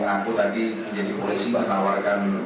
oleh petugas gabungan mabespori dan imigrasi di rumah kontrakan mereka